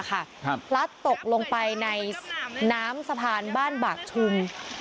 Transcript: พลัดตกลงไปในน้ำสะพานบ้านบากชุม